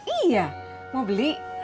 iya mau beli